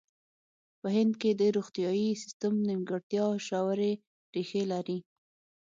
په هند کې د روغتیايي سیستم نیمګړتیا ژورې ریښې لري.